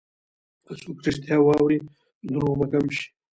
که څوک رښتیا واوري، نو دروغ به کم شي.